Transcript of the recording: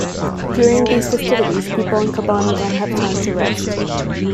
During these festivities, people in Cabana don't have time to rest.